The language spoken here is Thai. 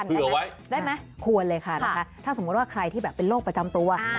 ได้ไหมพวงเลยค่ะถ้าสมมติว่าใครที่เป็นโรคประจำตัว